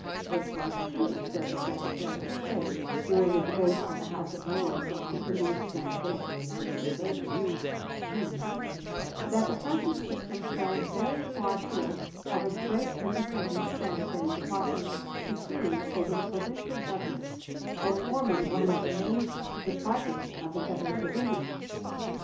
"It was true," said the Secretary of State during a debate in the House of Lords on Indian sanitation in 1913 (June 9), "that the present system fell very far short of a great independent Sanitary Department supreme over the Provincial Governments and forming one of the main departments of the Government of India."